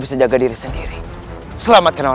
sampai di member